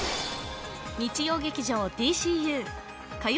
日曜劇場「ＤＣＵ」火曜